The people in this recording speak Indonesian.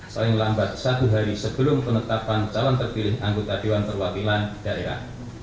paling lambat satu hari sebelum penetapan calon terpilih anggota dewan perwakilan daerah